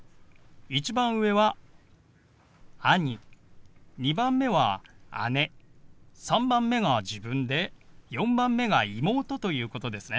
１番上は兄２番目は姉３番目が自分で４番目が妹ということですね。